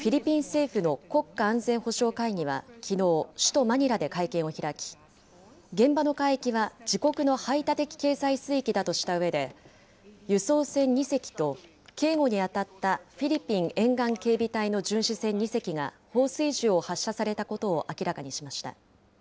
これを受けて、フィリピン政府の国家安全保障会議はきのう、首都マニラで会見を開き、現場の海域は自国の排他的経済水域だとしたうえで、輸送船２隻と、警護に当たったフィリピン沿岸警備隊の巡視船２隻が放水銃を発射されたことを明らかにしました。